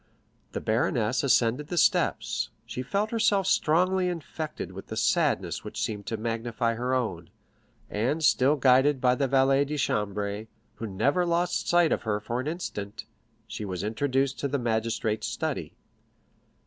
The baroness ascended the steps; she felt herself strongly infected with the sadness which seemed to magnify her own, and still guided by the valet de chambre, who never lost sight of her for an instant, she was introduced to the magistrate's study.